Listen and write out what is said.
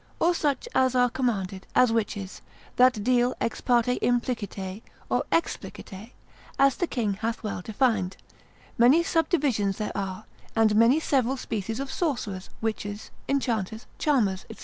Or such as are commanded, as witches, that deal ex parte implicite, or explicite, as the king hath well defined; many subdivisions there are, and many several species of sorcerers, witches, enchanters, charmers, &c.